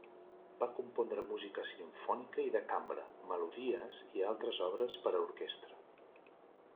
Va compondre música simfònica i de cambra, melodies i altres obres per a orquestra.